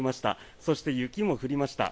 そして、雪も降りました。